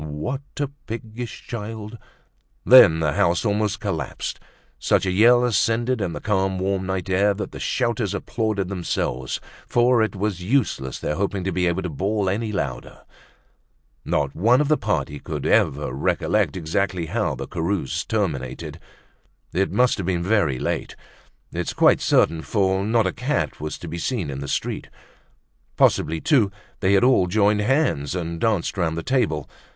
What a piggish child!" Then the house almost collapsed, such a yell ascended in the calm warm night air that the shouters applauded themselves, for it was useless their hoping to be able to bawl any louder. Not one of the party could ever recollect exactly how the carouse terminated. It must have been very late, it's quite certain, for not a cat was to be seen in the street. Possibly too, they had all joined hands and danced round the table.